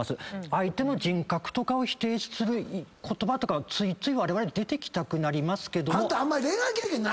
相手の人格とかを否定する言葉とかついついわれわれ出てきたくなりますけども。